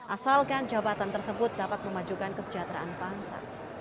asalkan jabatan tersebut dapat memajukan kesejahteraan bangsa